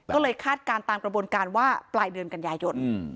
ก็เลยคาดการณ์ตามกระบวนการว่าปลายเดือนกันยายน